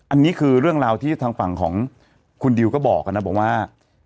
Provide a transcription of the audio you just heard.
อันนี้คือเรื่องราวที่ทางฝั่งของคุณดิวก็บอกนะบอกว่า